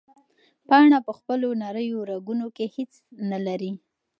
پاڼه په خپلو نریو رګونو کې هیڅ نه لري.